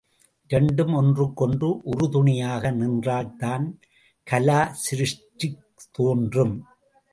இரண்டும் ஒன்றுக்கொன்று உறுதுணையாக நின்றால்தான் கலா சிருஷ்டி தோன்றும்.